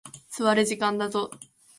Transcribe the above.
座れ、時間だぞ。